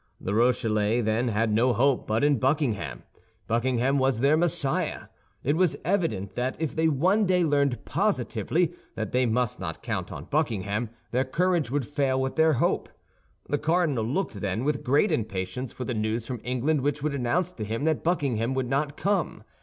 The Rochellais, then, had no hope but in Buckingham. Buckingham was their Messiah. It was evident that if they one day learned positively that they must not count on Buckingham, their courage would fail with their hope. The cardinal looked, then, with great impatience for the news from England which would announce to him that Buckingham would not come.